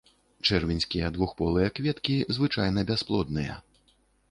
Чэрвеньскія двухполыя кветкі звычайна бясплодныя.